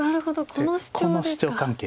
このシチョウ関係です。